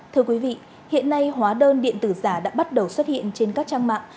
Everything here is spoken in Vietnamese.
thưa quý vị hiện nay hóa đơn điện tử giả đã bắt đầu xuất hiện trên các trang mạng